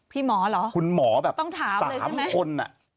พี่หมอเหรอต้องถามเลยใช่ไหมคุณหมอแบบ๓คน